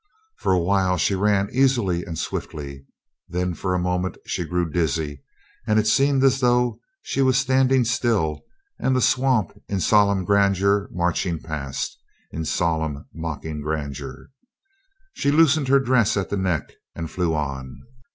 For a while she ran easily and swiftly. Then for a moment she grew dizzy and it seemed as though she was standing still and the swamp in solemn grandeur marching past in solemn mocking grandeur. She loosened her dress at the neck and flew on.